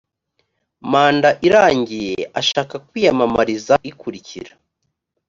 manda irarangiye ashaka kwiyamamariza ikurikira